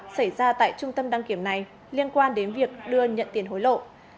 xảy ra tại trung tâm đăng kiểm này liên quan đến việc đưa nhận tiền hối lộ